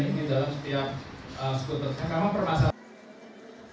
yang pertama permasalahan